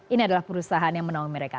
ini adalah perusahaan yang menaungi mereka